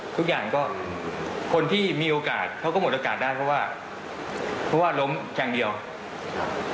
ทุกอย่างคนที่มีโอกาสเขาก็โหมดโอกาสได้เพราะว่าล้มแค่งเดียวเยื่อกว่า